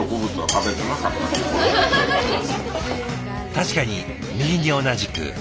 確かに右に同じく。